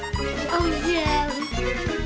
おいしい！